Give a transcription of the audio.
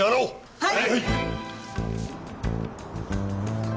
はい。